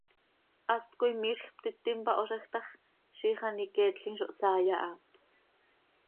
Hast coi miizj ptiti mpahoozaj ta x, ziix an iqueetlim zo hsaai aha.